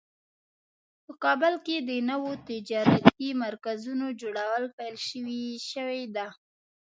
په کابل کې د نوو تجارتي مرکزونو جوړول پیل شوی ده